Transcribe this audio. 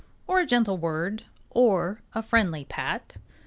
Or a gentle word? Or a friendly pat?